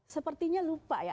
sepertinya lupa ya